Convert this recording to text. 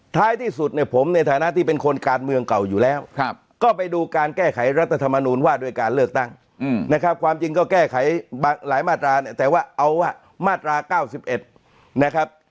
ท้ายที่สุดเนี่ยผมในฐานะที่เป็นคนการเมืองเก่าอยู่แล้วก็ไปดูการแก้ไขรัฐธรรมนูญว่าด้วยการเลือกตั้งนะครับความจริงก็แก้ไขหลายมาตราเนี่ยแต่ว่าเอามาตรา๙๑นะครับ